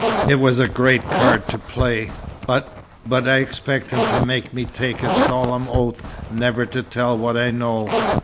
It was a great card to play. But but I expected him to make me take a solemn oath never to tell what I know."